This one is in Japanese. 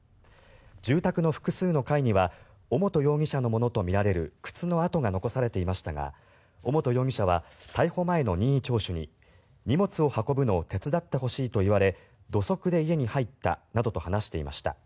住宅の複数の階には尾本容疑者のものとみられる靴の跡が残されていましたが尾本容疑者は逮捕前の任意聴取に荷物を運ぶのを手伝ってほしいと言われ土足で家に入ったなどと話していました。